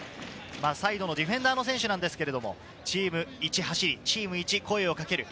サイドのディフェンダーの選手なんですけれど、チームいち走り、チームいち声をかける。